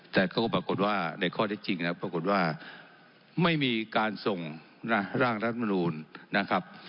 แต่ก็ปรากฏว่าในข้อที่จริงนะครับปรากฏว่าไม่มีการส่งร่างรัฐมนูลนะครับ